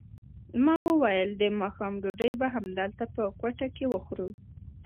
ما وویل د ماښام ډوډۍ به همدلته په کوټه کې وخورو.